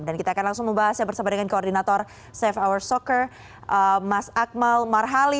dan kita akan langsung membahasnya bersama dengan koordinator safe hour soccer mas akmal marhali